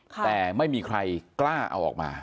แต่ไม่มีใครกล้าเอาออกมา